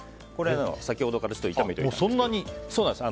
先ほどから炒めております。